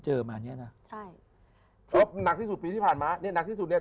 เจอมาเนี้ยน่ะใช่นักที่สุดปีที่ผ่านมาเนี้ยนักที่สุดเนี้ย